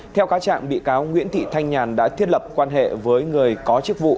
theo cáo trạng bị cáo nguyễn thị thanh nhàn đã thiết lập quan hệ với người có chức vụ